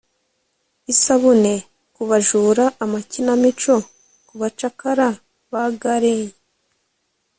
Isabune kubajura amakinamico kubacakara ba galley